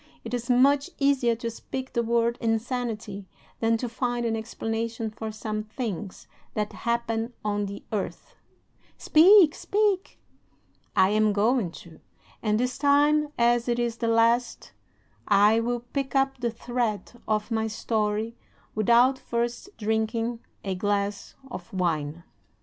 It is much easier to speak the word 'insanity' than to find an explanation for some things that happen on the earth." "Speak, speak!" "I am going to; and this time, as it is the last, I will pick up the thread of my story without first drinking a glass of wine." VI.